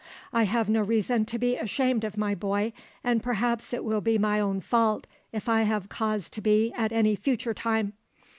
"I have no reason to be ashamed of my boy, and perhaps it will be my own fault if I have cause to be at any future time.